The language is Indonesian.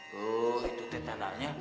tuh itu teh tandanya